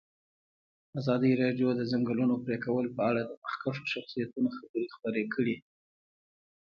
ازادي راډیو د د ځنګلونو پرېکول په اړه د مخکښو شخصیتونو خبرې خپرې کړي.